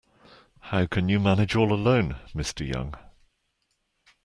How can you manage all alone, Mr Young.